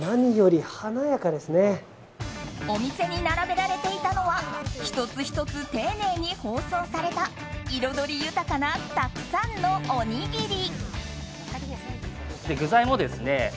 お店に並べられていたのは１つ１つ丁寧に包装された彩り豊かなたくさんのおにぎり。